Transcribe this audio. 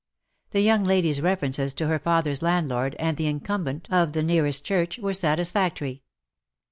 The young lady's references to her father's landlord and the incumbent of the 166 IN SOCIETY. nearest cliurch, were satisfactory.